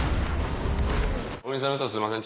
お店の人すいません